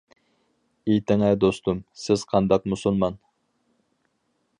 ئېيتىڭە دوستۇم، سىز قانداق مۇسۇلمان؟ !